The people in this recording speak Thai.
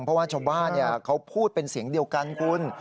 เพราะว่าชาวบ้านเขาพูดเป็นเสียงเดียวกันคุณ